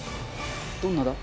どんなだ？